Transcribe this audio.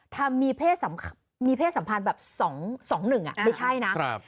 ทำมีเพศสำคมีเพศสัมพันธ์แบบสองสองหนึ่งอ่ะไม่ใช่นะครับ